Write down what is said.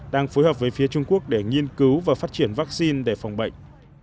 đang phối hợp với phía trung quốc để nghiên cứu và phát triển vaccine để phòng bệnh